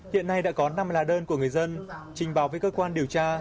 hiện nay đã có năm là đơn của người dân trình báo với cơ quan điều tra